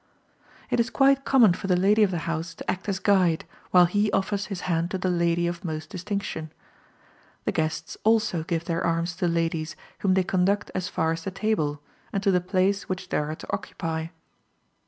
It is quite common for the lady of the house to act as guide, while he offers his hand to the lady of most distinction. The guests also give their arms to ladies, whom they conduct as far as the table, and to the place which they are to occupy.